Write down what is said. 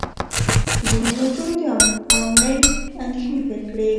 ځینو ملګرو د نا امنۍ اندېښنې پیل کړې.